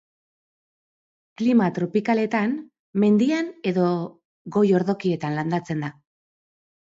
Klima tropikaletan mendian edo goi-ordokietan landatzen da.